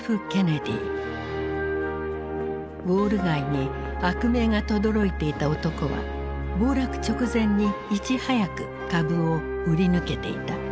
ウォール街に悪名がとどろいていた男は暴落直前にいち早く株を売り抜けていた。